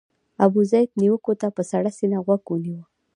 ابوزید نیوکو ته په سړه سینه غوږ ونیو.